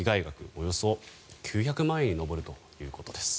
およそ９００万円に上るということです。